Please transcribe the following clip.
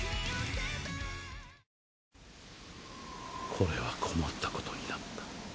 これは困ったことになった。